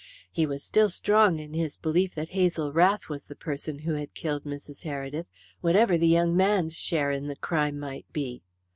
He was still strong in his belief that Hazel Rath was the person who had killed Mrs. Heredith, whatever the young man's share in the crime might be.